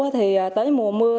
thì tới mùa mưa